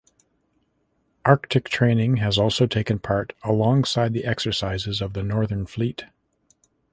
Arctic training has also taken part alongside the exercises of the Northern Fleet.